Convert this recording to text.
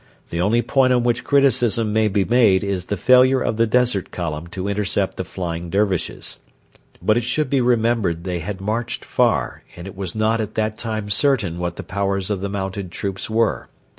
The only point on which criticism may be made is the failure of the Desert Column to intercept the flying Dervishes. But it should be remembered they had marched far, and it was not at that time certain what the powers of the mounted troops were.